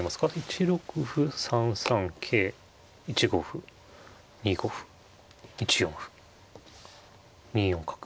１六歩３三桂１五歩２五歩１四歩２四角